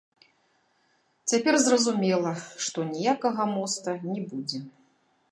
Цяпер зразумела, што ніякага моста не будзе.